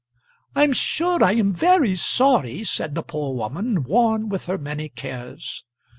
"I'm sure I'm very sorry," said the poor woman, worn with her many cares.